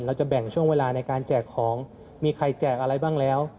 เราจะแบ่งช่วงเวลาในการแจกของมีใครแจกอะไรบ้างแล้ว